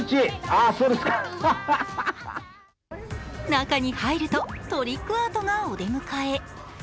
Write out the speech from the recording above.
中に入るとトリックアートがお出迎え。